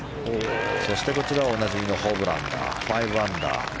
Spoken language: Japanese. そしてこちらはおなじみのホブランが５アンダー。